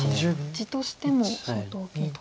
地としても相当大きいと。